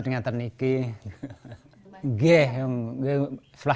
saya tidak mau menerima penanganan fisioterapi